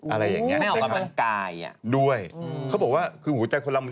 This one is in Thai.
อะไรอย่างนี้นะครับด้วยคือหัวใจคนละมัน